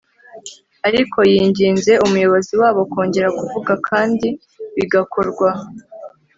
ariko yinginze umuyobozi wabo kongera kuvuga kandi bigakorwa